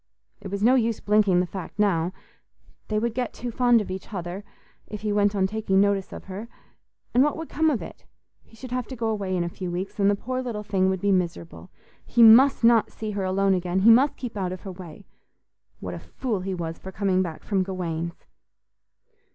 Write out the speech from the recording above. It was no use blinking the fact now—they would get too fond of each other, if he went on taking notice of her—and what would come of it? He should have to go away in a few weeks, and the poor little thing would be miserable. He must not see her alone again; he must keep out of her way. What a fool he was for coming back from Gawaine's!